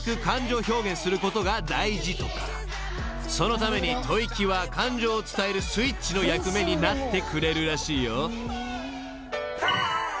［そのために吐息は感情を伝えるスイッチの役目になってくれるらしいよ］